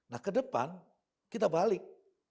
nah ke depan kita balik